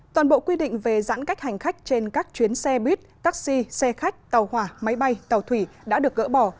toàn bộ quy định về giãn cách hành khách trên các chuyến xe buýt taxi xe khách tàu hỏa máy bay tàu thủy đã được gỡ bỏ